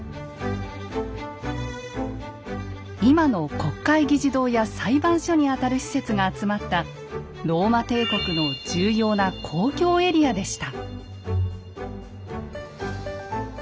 今の国会議事堂や裁判所にあたる施設が集まったローマ帝国の重要な公共エリアでした。